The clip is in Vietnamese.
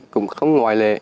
cũng không ngoài lệ